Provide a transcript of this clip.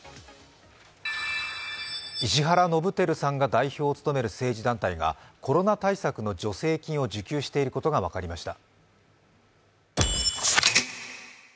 石原伸晃さんが代表を務める政治団体がコロナ対策の助成金を受給していることが分かりました。